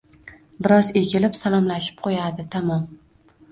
Biroz egilib salomlashib qoʻyadi, tamom.